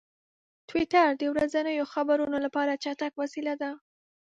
ټویټر د ورځنیو خبرونو لپاره چټک وسیله ده.